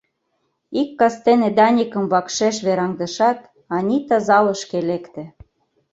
Ик кастене Даникым вакшеш вераҥдышат, Анита залышке лекте.